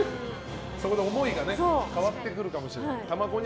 そこで思いが変わってくるかもしれない。